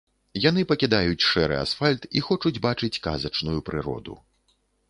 Яны пакідаюць шэры асфальт і хочуць бачыць казачную прыроду.